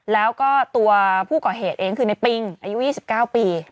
แล้วก็ตัวผู้ก่อเหตุเองคือในปิงอายุ๒๙ปี